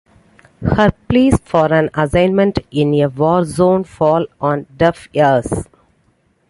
Her pleas for an assignment in a war zone fall on deaf ears.